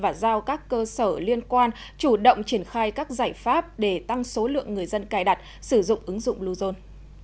và giao các cơ sở liên quan chủ động triển khai các giải pháp để tăng số lượng người dân cài đặt sử dụng ứng dụng bluezone